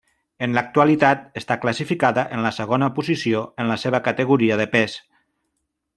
En l'actualitat està classificada en la segona posició en la seva categoria de pes.